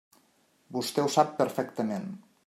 Vostè ho sap perfectament.